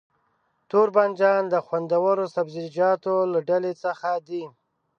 توربانجان د خوندورو سبزيجاتو له ډلې څخه دی.